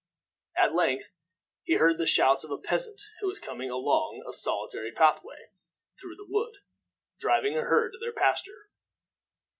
At length he heard the shouts of a peasant who was coming along a solitary pathway through the wood, driving a herd to their pasture.